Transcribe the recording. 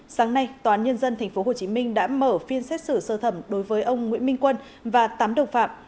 sáng nay toán nhân dân tp hcm đã mở phiên xét xử sơ thẩm đối với ông nguyễn minh quân và tám độc phạm